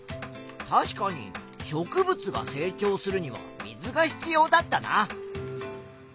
確かに植物が成長するには水が必要だったな。